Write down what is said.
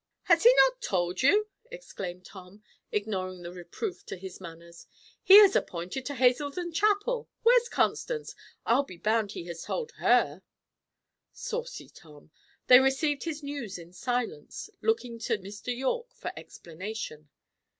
"Has he not told you?" exclaimed Tom, ignoring the reproof to his manners. "He is appointed to Hazeldon Chapel. Where's Constance? I'll be bound he has told her!" Saucy Tom! They received his news in silence, looking to Mr. Yorke for explanation.